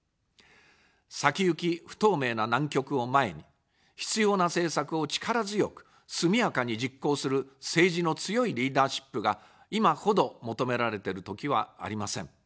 先行き不透明な難局を前に、必要な政策を力強く、速やかに実行する政治の強いリーダーシップが、今ほど求められてる時はありません。